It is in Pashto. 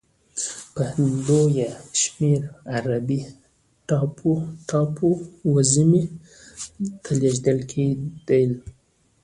په لویه شمېر عربي ټاپو وزمې ته لېږدول کېدل.